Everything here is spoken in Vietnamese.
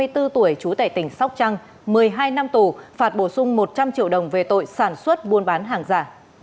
hai mươi bốn tuổi trú tại tỉnh sóc trăng một mươi hai năm tù phạt bổ sung một trăm linh triệu đồng về tội sản xuất buôn bán hàng giả